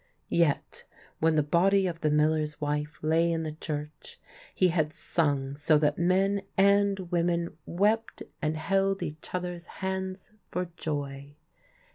Yet when the body of the miller's wife lay in the church, he had sung so that men and women wept and held each other's hands for joy.